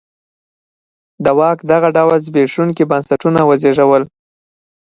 د واک دغه ډول سخت زبېښونکي بنسټونه وزېږول.